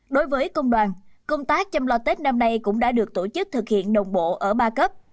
đối với công đoàn công tác chăm lo tết năm nay cũng đã được tổ chức thực hiện đồng bộ ở ba cấp